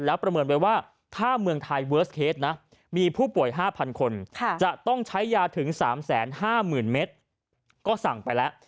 แล้วประเมินไว้ว่าถ้าเมืองไทยเวิร์สเคสนะมีผู้ป่วย๕๐๐คนจะต้องใช้ยาถึง๓๕๐๐๐เมตรก็สั่งไปแล้ว